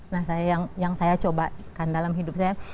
nah yang saya cobakan dalam hidup saya